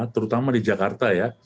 terutama di jakarta ya